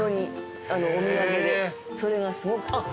それがすごくあっ！